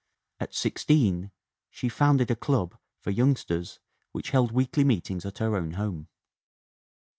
At sixteen shes founded a club for youngsters which held weekly meetings at her own home.